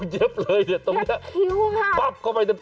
จริง